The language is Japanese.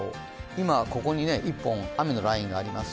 今ここに１本、雨のラインがあります。